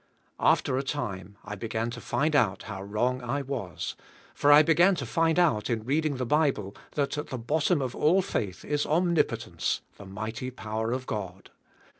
Af ter a time I began to find out how wrong I was, for JKSUS ABI,K TO KEEP. 223 I began to find out in reading the Bible that at the bottom of all faith is omnipotence, the mig hty power of God.